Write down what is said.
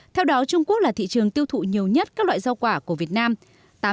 theo đó trung quốc là thị trường tiêu thụ nhiều nhất các loại rau quả của việt nam